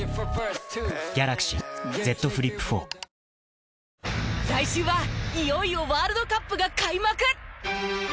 わかるぞ来週はいよいよワールドカップが開幕！